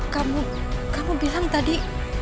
kamu kamu bilang tadi